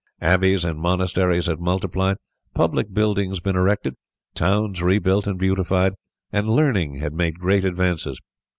Abbeys and monasteries had multiplied, public buildings been erected, towns rebuilt and beautified, and learning had made great advances.